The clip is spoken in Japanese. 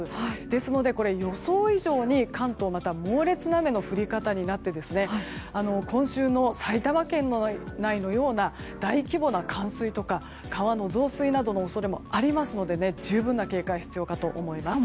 ですので予想以上に関東、猛烈な雨の降り方になって今週の埼玉県内のような大規模な冠水とか河川の増水などの恐れもありますので十分な警戒が必要かと思います。